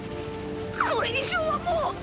これ以上はもう！！